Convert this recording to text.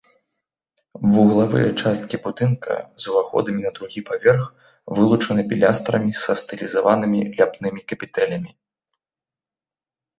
Вуглавыя часткі будынка з уваходамі на другі паверх вылучаны пілястрамі са стылізаванымі ляпнымі капітэлямі.